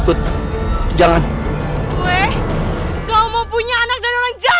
putri gak mau punya anak dari dia